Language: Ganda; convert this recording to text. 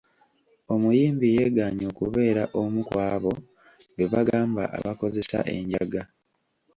Omuyimbi yegaanye okubeera omu ku abo be bagamba abakozesa enjaga.